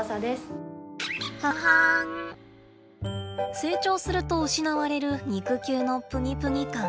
成長すると失われる肉球のプニプニ感。